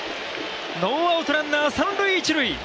ノーアウトランナー三・一塁。